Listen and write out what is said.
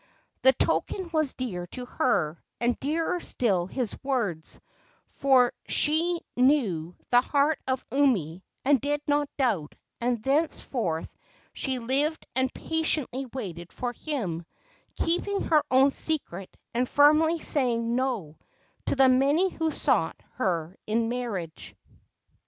The token was dear to her, and dearer still his words, for she knew the heart of Umi and did not doubt; and thenceforth she lived and patiently waited for him, keeping her own secret, and firmly saying "no" to the many who sought her in marriage.